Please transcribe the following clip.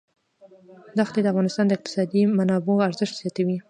ښتې د افغانستان د اقتصادي منابعو ارزښت زیاتوي.